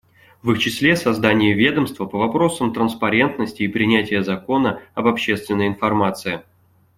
В их числе создание ведомства по вопросам транспарентности и принятие закона об общественной информации.